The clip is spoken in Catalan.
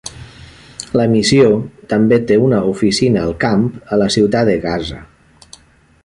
La Missió també té una oficina al camp a la ciutat de Gaza.